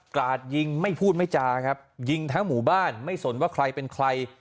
ราดยิงไม่พูดไม่จาครับยิงทั้งหมู่บ้านไม่สนว่าใครเป็นใคร